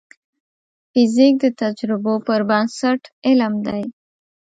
فزیک د تجربو پر بنسټ علم دی.